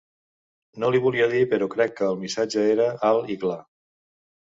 No li volia dir però crec que el missatge era alt i clar.